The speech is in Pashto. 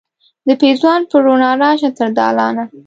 د پیزوان په روڼا راشه تر دالانه